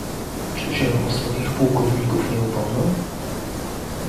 "Czy się o swoich pułkowników nie upomną?"